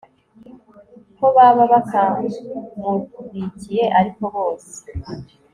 ko baba bakamubikiye ariko bose